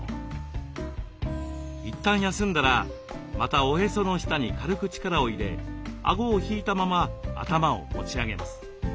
一旦休んだらまたおへその下に軽く力を入れあごを引いたまま頭を持ち上げます。